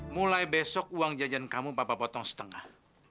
mulai besok uang jajan kamu papa potong setengah